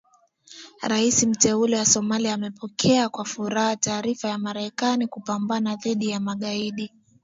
Rais Mteule wa Somalia amepokea kwa furaha taarifa ya Marekani kupambana dhidi ya magaidi